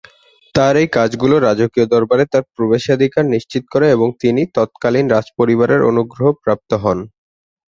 তার এই কাজগুলো রাজকীয় দরবারে তার প্রবেশাধিকার নিশ্চিত করে এবং তিনি তৎকালিন রাজপরিবারের অনুগ্রহ প্রাপ্ত হন।